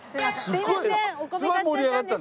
すみません。